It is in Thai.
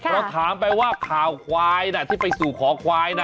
เราถามไปว่าข่าวควายที่ไปสู่ขอควายนะ